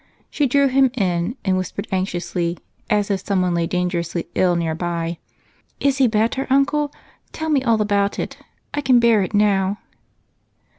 She drew him in and whispered anxiously, as if someone lay dangerously ill nearby, "Is he better, Uncle? Tell me all about it I can bear it now."